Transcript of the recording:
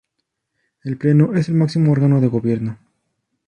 El pleno es el máximo órgano de gobierno.